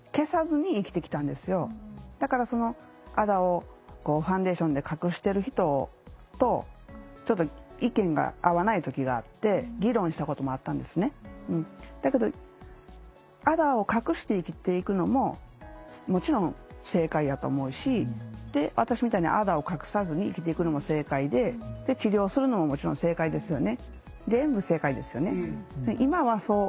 だからそのあざをファンデーションで隠してる人とちょっと意見が合わない時があってだけどあざを隠して生きていくのももちろん正解やと思うし私みたいにあざを隠さずに生きていくのも正解で治療するのももちろん正解ですよね。